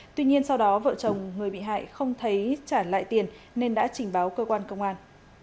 tuy nhiên sau đó vợ chồng người bị hại không thấy trả lại tiền nên đã trình báo cơ quan công an